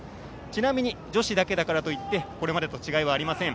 ちなみに女子だけだからといってこれまでと違いはありません。